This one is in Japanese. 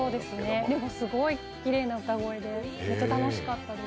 でも、すごいきれいな歌声で、本当に楽しかったです。